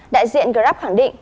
đại diện grab khẳng định